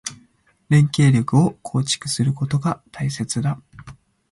連携力を構築することが大切だ。